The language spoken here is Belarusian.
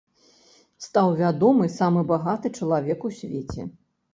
Стаў вядомы самы багаты чалавек у свеце.